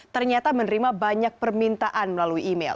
ternyata menerima banyak permintaan melalui email